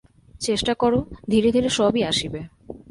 চেষ্টা কর, ধীরে ধীরে সবই আসিবে।